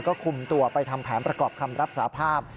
ก็คุมตัวไปทำแผนประกอบคำรับสาภาพ